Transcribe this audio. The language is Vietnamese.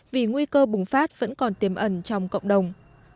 vì nguy cơ bùng phát vẫn còn tiềm ẩn trong cộng đồng